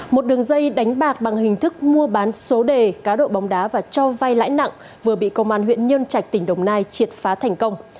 một đường dây đánh bạc bằng hình thức mua bán số đề cáo độ bóng đá và cho vay lãi nặng vừa bị công an huyện nhân trạch tỉnh đồng nai triệt phá thành công